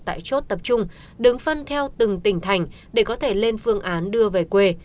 tại chốt tập trung đứng phân theo từng tỉnh thành để có thể lên phương án đưa về quê